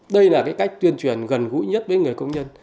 đây là cái cách tuyên truyền gần gũi nhất với người công nhân